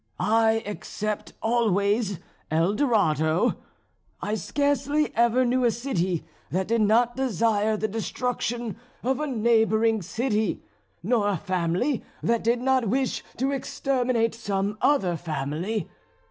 I except, always, El Dorado. I scarcely ever knew a city that did not desire the destruction of a neighbouring city, nor a family that did not wish to exterminate some other family.